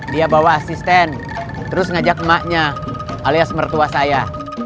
dia bawa asisten terus ngajak emaknya alias mertua saya